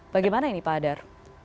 bagaimana ini pak adar